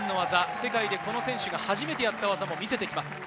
世界でこの選手が初めてやった技を見せます。